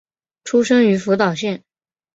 出身于福岛县。